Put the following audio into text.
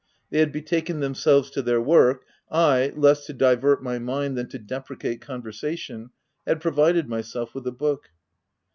They had betaken themselves to their work ; I, less to divert my mind than to deprecate conversation, had pro vided myself with a book.